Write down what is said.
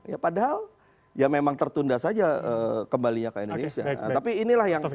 ya padahal ya memang tertunda saja kembalinya ke indonesia